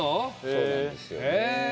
そうなんですよね。